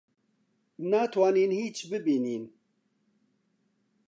ناتوانین هیچ ببینین.